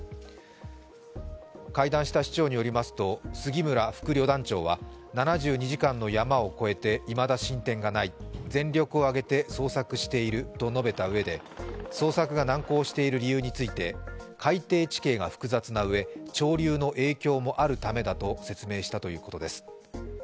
会談した市長によりますと、杉村副旅団長は、７２時間のヤマを越えていまだ進展がない、全力を挙げて捜索していると述べたうえで捜索が難航している理由について、海底地形が複雑なうえ、潮流の影響もあるためだと説明したということです。